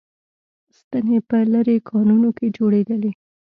ستنې په لېرې کانونو کې جوړېدلې